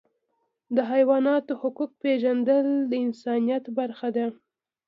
د حیواناتو حقوق پیژندل د انسانیت برخه ده.